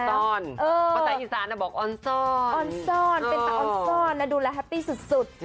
เป็นตะออนซ่อนตะออนซ่อนเป็นตะออนซ่อนดูแลแฮปปี้สุด